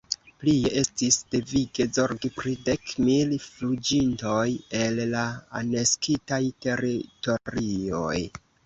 Plie estis devige zorgi pri dek mil fuĝintoj el la aneksitaj teritorioj.